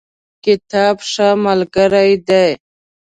کتاب ښه ملګری دی